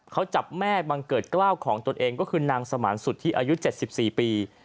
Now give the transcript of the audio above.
เขาจับแม่บังเกิดกล้าวของตนเองก็คือนางสมานสุธิอายุ๗๔ปี